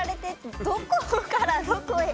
どこからどこへ？